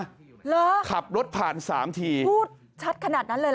หรือพูดชัดขนาดนั้นเลยหรือคะขับรถผ่านสามที